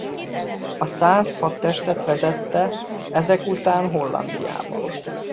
A szász hadtestet vezette ezek után Hollandiában.